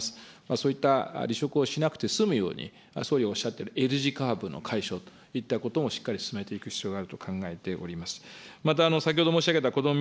そういった離職をしなくて済むように、総理おっしゃっているＬ字カーブの解消といったこともしっかり進めていく必要があると考えております。